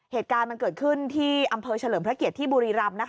เหตุการณ์มันเกิดขึ้นที่อำเภอเฉลิมพระเกียรติที่บุรีรำ